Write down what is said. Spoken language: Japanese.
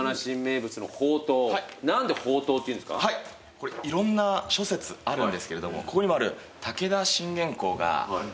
これいろんな諸説あるんですけれどもここにもある。